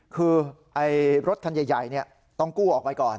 คือรถคันใหญ่ต้องกู้ออกไปก่อน